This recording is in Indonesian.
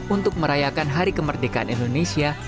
untuk merayakan hari kemerdekaan indonesia